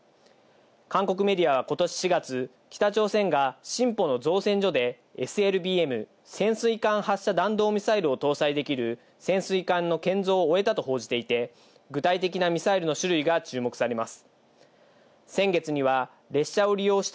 韓国メディアは今年４月、北朝鮮がシンポの造船所でＳＬＢＭ＝潜水艦発射弾道ミサイルを搭載できる、潜水艦の建造を終えた報じていて具体的なミサイルの種類が注目されます。